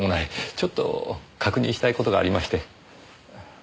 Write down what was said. ちょっと確認したい事がありまして。